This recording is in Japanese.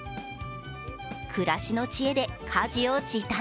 暮らしの知恵で家事を時短。